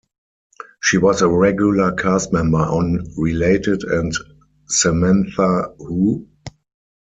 She was a regular cast member on "Related" and "Samantha Who?".